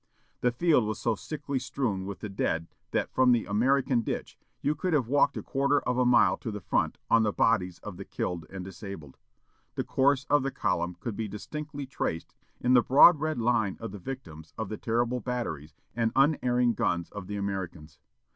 "The field was so thickly strewn with the dead that, from the American ditch, you could have walked a quarter of a mile to the front on the bodies of the killed and disabled.... The course of the column could be distinctly traced in the broad red line of the victims of the terrible batteries and unerring guns of the Americans.